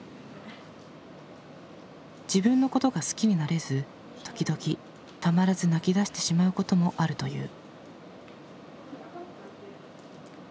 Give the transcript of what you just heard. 自分のことが好きになれず時々たまらず泣きだしてしまうこともあるという。